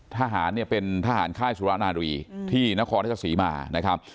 ทหารเนี่ยเป็นทหารค่ายสุรนารีที่นครราชสีมานะครับ